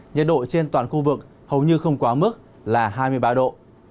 nhiệt độ trên toàn khu vực hầu như không quá mức là hai mươi ba độ